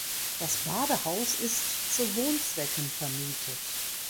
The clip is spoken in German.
Das „Badehaus“ ist zu Wohnzwecken vermietet.